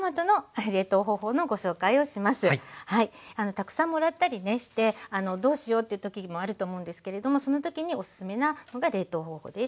たくさんもらったりねしてどうしようっていう時もあると思うんですけれどもその時におすすめなのが冷凍方法です。